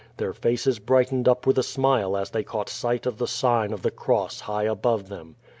Their faces brightened up with a smile as they caught sight of the sign of the cross high above them.